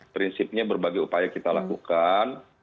prinsipnya berbagai upaya kita lakukan